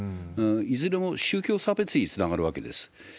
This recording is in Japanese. いずれも宗教差別につながるわけです。